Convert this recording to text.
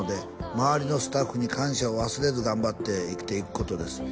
「周りのスタッフに感謝を忘れず」「頑張って生きていくことです」